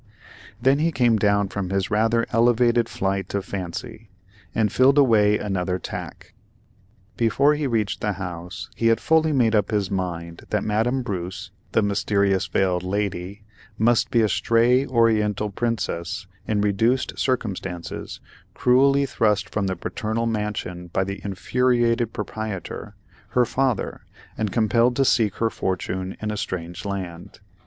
Then he came down from this rather elevated flight of fancy, and filled away on another tack. Before he reached the house he had fully made up his mind that Madame Bruce, the Mysterious Veiled Lady, must be a stray Oriental Princess in reduced circumstances, cruelly thrust from the paternal mansion by the infuriated proprietor, her father, and compelled to seek her fortune in a strange land.